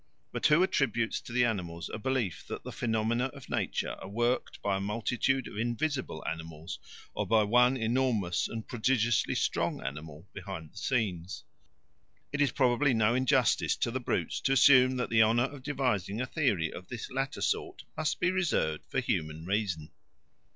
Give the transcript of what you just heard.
But who attributes to the animals a belief that the phenomena of nature are worked by a multitude of invisible animals or by one enormous and prodigiously strong animal behind the scenes? It is probably no injustice to the brutes to assume that the honour of devising a theory of this latter sort must be reserved for human reason.